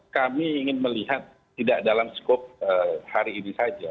kami ingin melihat tidak dalam skop hari ini saja